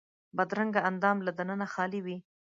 بدرنګه اندام له دننه خالي وي